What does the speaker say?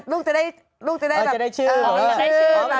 ลูกจะได้แบบอ๋อจะได้ชื่อหรือว่า